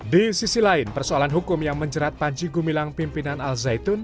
di sisi lain persoalan hukum yang menjerat panji gumilang pimpinan al zaitun